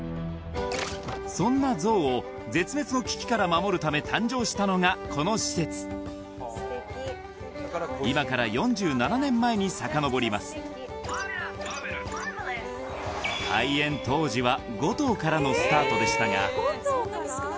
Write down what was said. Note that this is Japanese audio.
そんなゾウを絶滅の危機から守るため誕生したのがこの施設今から４７年前にさかのぼりますでしたが７４頭にまで増えました